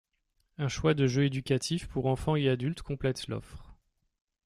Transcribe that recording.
Un choix de jeux éducatifs pour enfants et adultes complète l'offre.